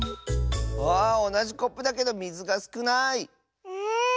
あおなじコップだけどみずがすくない！